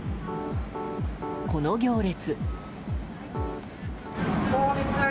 この行列。